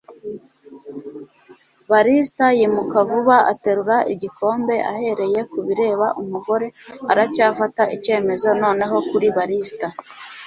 barista yimuka vuba aterura igikombe ahereye kubireba umugore aracyafata icyemezo noneho kuri barista